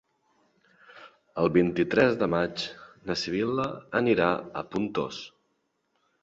El vint-i-tres de maig na Sibil·la anirà a Pontós.